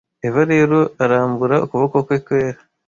eva rero arambura ukuboko kwe kwera